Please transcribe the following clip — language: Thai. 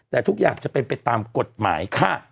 แต่ทุกอย่างจะเป็นไปตามกฎหมายค่ะ